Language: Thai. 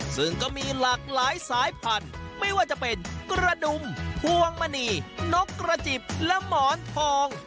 ซึ่งก็มีหลากหลายสายพันธุ์ไม่ว่าจะเป็นกระดุมพวงมณีนกกระจิบและหมอนทอง